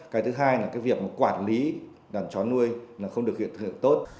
cái thứ hai là việc quản lý đàn chó nuôi không được hiện tốt